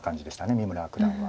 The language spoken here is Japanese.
三村九段は。